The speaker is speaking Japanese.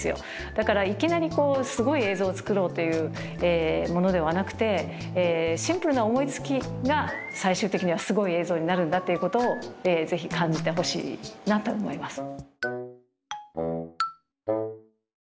だからいきなりすごい映像を作ろうというものではなくてシンプルな思いつきが最終的にはすごい映像になるんだということを是非感じてほしいなと思います。